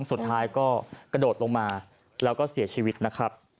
สุดท้ายก็กระโดดลงมาแล้วก็เสียชีวิตนะครับ